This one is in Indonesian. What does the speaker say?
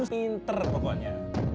bener adikmu pinter pokoknya